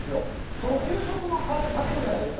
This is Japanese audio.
その給食のカレー食べるじゃないですか。